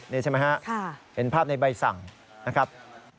นี่ใช่ไหมฮะเห็นภาพในใบสั่งนะครับ